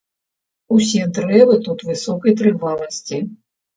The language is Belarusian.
Усе дрэвы тут высокай трываласці.